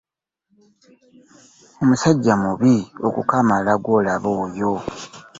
Musajja mubi okukamala gw'olaba oyo.